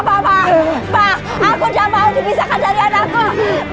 pak aku udah mau dipisahkan dari anakku